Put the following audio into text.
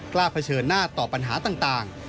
เผชิญหน้าต่อปัญหาต่าง